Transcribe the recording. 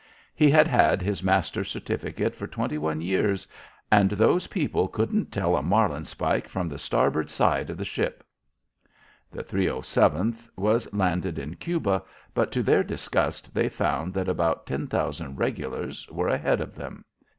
He had had his master's certificate for twenty one years, and those people couldn't tell a marlin spike from the starboard side of the ship. The 307th was landed in Cuba, but to their disgust they found that about ten thousand regulars were ahead of them.